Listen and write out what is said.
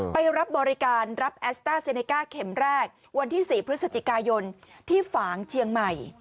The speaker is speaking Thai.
ไปรับบริการรับแอสต้าเซเนก้าเข็มแรกวันที่๔พฤศจิกายนที่ฝางเชียงใหม่